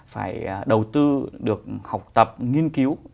phải đầu tư được học tập nghiên cứu